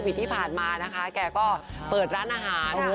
ช่วงที่ป้ายมานะคะเขาก็เปิดร้านอาหาร